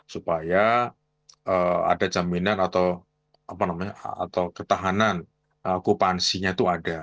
supaya ada jaminan atau ketahanan okupansinya itu ada